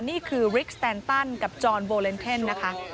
นี่คือริกสแตนตันกับจอนโบเลนเทนนะคะ